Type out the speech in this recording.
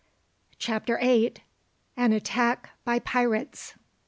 Chapter 8: An Attack By Pirates.